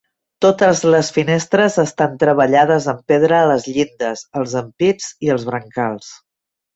Totes les finestres estan treballades en pedra a les llindes, els ampits i els brancals.